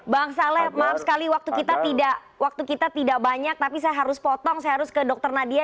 bang saleh maaf sekali waktu kita waktu kita tidak banyak tapi saya harus potong saya harus ke dr nadia